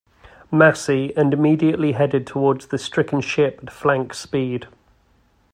"Massey" and immediately headed toward the stricken ship at flank speed.